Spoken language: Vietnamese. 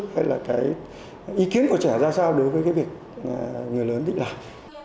hay là cái ý kiến của trẻ ra sao đối với cái việc người lớn định làm